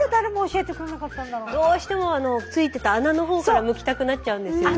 どうしてもついてた穴の方からむきたくなっちゃうんですよね。